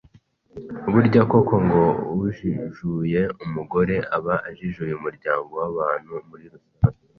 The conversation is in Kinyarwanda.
Burya koko ngo ujijuye umugore aba ajijuye umuryango w’abantu muri rusange.